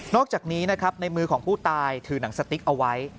อกจากนี้นะครับในมือของผู้ตายถือหนังสติ๊กเอาไว้